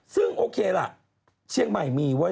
ซึ่งโอเคล่ะเชียงใหม่มีไว้